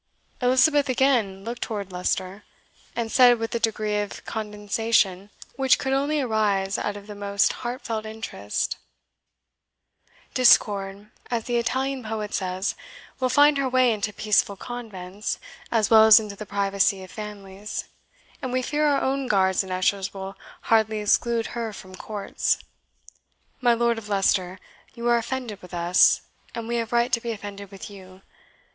Elizabeth again looked towards Leicester, and said, with a degree of condescension which could only arise out of the most heartfelt interest, "Discord, as the Italian poet says, will find her way into peaceful convents, as well as into the privacy of families; and we fear our own guards and ushers will hardly exclude her from courts. My Lord of Leicester, you are offended with us, and we have right to be offended with you.